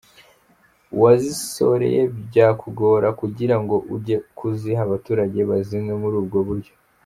Wazisoreye byakugora kugira ngo ujye kuziha abaturage bazinywe muri ubwo buryo.